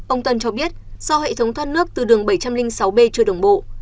ông tân cho biết do hệ thống thoát nước từ đường bảy trăm linh sáu b chưa đồng bộ